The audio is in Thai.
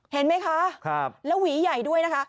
เห็นไหมคะแล้วหวีใหญ่ด้วยนะคะ